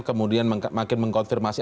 kemudian makin mengkonfirmasi